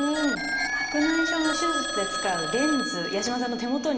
白内障の手術で使うレンズ八嶋さんの手元にご用意しました。